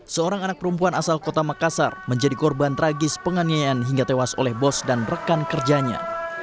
seorang anak perempuan asal kota makassar menjadi korban tragis penganiayaan hingga tewas oleh bos dan rekan kerjanya